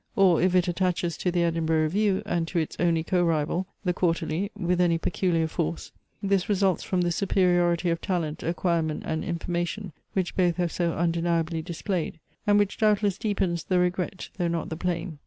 Or if it attaches to THE EDINBURGH REVIEW, and to its only corrival (THE QUARTERLY), with any peculiar force, this results from the superiority of talent, acquirement, and information which both have so undeniably displayed; and which doubtless deepens the regret though not the blame.